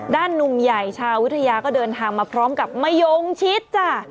หนุ่มใหญ่ชาววิทยาก็เดินทางมาพร้อมกับมะยงชิดจ้ะ